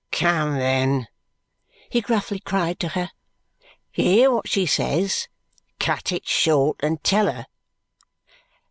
"Come, then!" he gruffly cried to her. "You hear what she says. Cut it short and tell her."